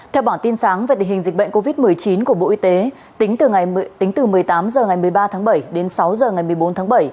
theo bản tin sáng về tình hình dịch bệnh covid một mươi chín của bộ y tế tính từ một mươi tám h ngày một mươi ba tháng bảy đến sáu h ngày một mươi bốn tháng bảy